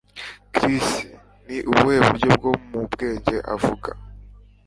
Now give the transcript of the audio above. Chris: Ni ubuhe buryo bwo mu bwenge uvuga?